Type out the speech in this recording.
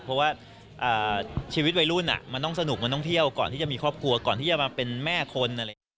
เพราะว่าชีวิตวัยรุ่นมันต้องสนุกมันต้องเที่ยวก่อนที่จะมีครอบครัวก่อนที่จะมาเป็นแม่คนอะไรอย่างนี้